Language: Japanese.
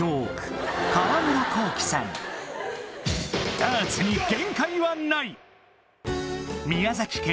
ダーツに限界はない！